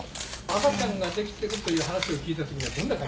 「赤ちゃんができてるという話を聞いた時にはどんな感じ？」